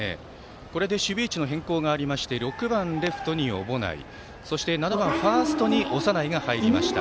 これで守備位置の変更がありまして６番、レフトに小保内そして、７番ファーストに長内が入りました。